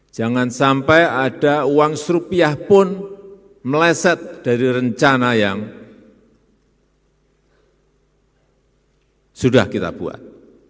jangan sampai ada uang serupiah pun meleset dari rencana yang sudah kita buat